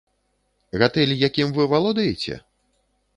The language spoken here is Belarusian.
Гатэль, якім вы валодаеце?